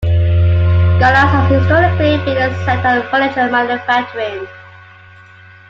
Galax has historically been a center of furniture manufacturing.